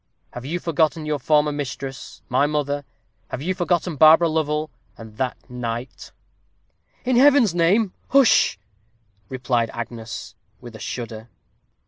Have you forgotten your former mistress! my mother? Have you forgotten Barbara Lovel, and that night?" "In Heaven's name, hush!" replied Agnes, with a shudder.